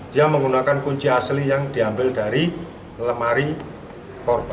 dia menggunakan kunci asli yang diambil dari lemari korban